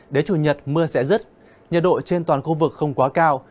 đến chủ nhật mưa sẽ dứt nhật độ trên toàn khu vực không quá cao